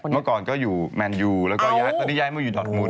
เมื่อก่อนก็อยู่แมนยูแล้วก็ตอนนี้ย้ายมาอยู่ดอดมุน